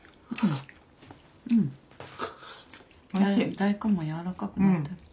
大根も柔らかくなってる。